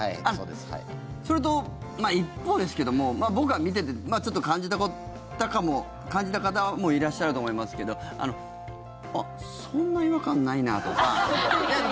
それと、一方ですけども僕が見ていてちょっと感じた感じた方もいらっしゃると思いますけどそんなことない。